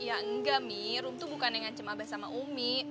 ya enggak mi rum tuh bukan yang ngancam aba sama umi